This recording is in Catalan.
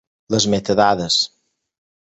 Les metadades.